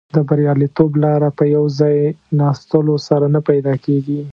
د بریالیتوب لاره په یو ځای ناستلو سره نه پیدا کیږي.